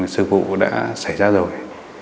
sự vụ đã xảy ra rồi